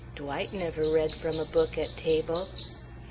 Dwight never read from a book at table.